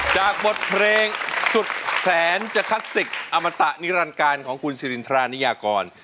จากบทเพลงสุดแสนจักสิกอมตะนิรันการของคุณสิรินทรานิยากร